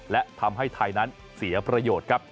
และทำให้ไทยนั้นเสียประโยชน์ครับ